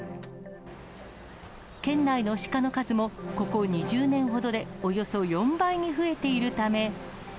県内のシカの数もここ２０年ほどでおよそ４倍に増えているため。